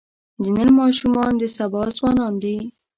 د نن ماشومان د سبا ځوانان دي.